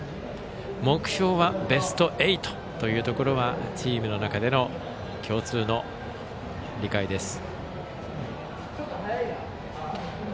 目標は、ベスト８というところはチームの中での共通の理解です。